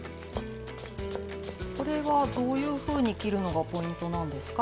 これはどういうふうに切るのがポイントなんですか？